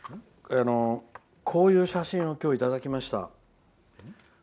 こういう写真を今日いただきました。